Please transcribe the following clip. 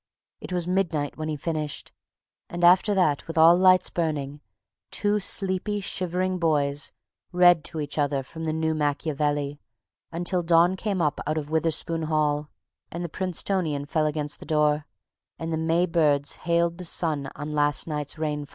It was midnight when he finished, and after that, with all lights burning, two sleepy, shivering boys read to each other from "The New Machiavelli," until dawn came up out of Witherspoon Hall, and the Princetonian fell against the door, and the May birds hailed the sun on last night's rain.